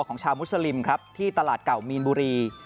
ของชาวมุสลิมครับที่ตลาดเก่ามีนบุรี